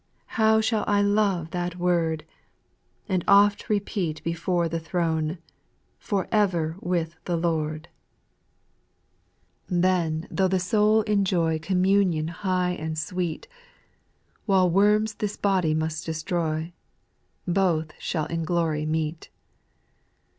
How shall I love that Yfot^^ 162 SPIRITUAL SONGS. And oft repeat before the throne, " For ever with the Lord I'* 5. Then though the soul enjoy Communion high and sweet, ' While worms this body must destroy, Both shall in glory meet.